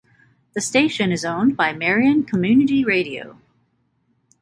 The station is owned by Marion Community Radio.